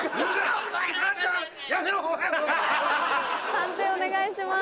判定お願いします。